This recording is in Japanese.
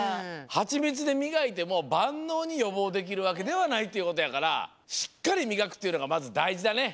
ハチミツでみがいてもばんのうによぼうできるわけではないっていうことやからしっかりみがくっていうのがまずだいじだね。